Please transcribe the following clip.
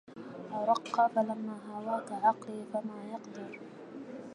رق لما هواك عقلي فما يقدر